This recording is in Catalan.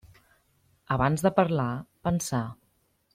Abans de parlar, pensar.